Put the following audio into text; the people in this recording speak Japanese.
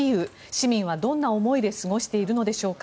市民はどんな思いで過ごしているのでしょうか。